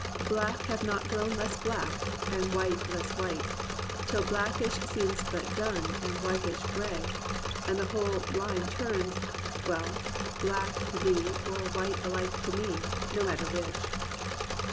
Black have not grown less black and white less white. Till blackish seems but dun, and whitish, — gray. And the whole line turns — well, or black to thee Or white alike to me — ^no matter which.'